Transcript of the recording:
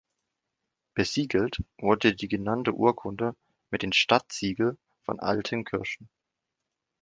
Besiegelt wurde die genannte Urkunde mit dem Stadtsiegel von Altenkirchen.